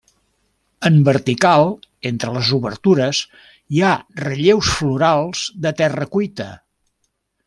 En vertical, entre les obertures, hi ha relleus florals de terra cuita.